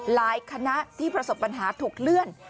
คณะที่ประสบปัญหาถูกเลื่อน